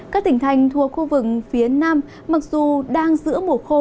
các tỉnh thành thuộc khu vực phía nam mặc dù đang giữa mùa khô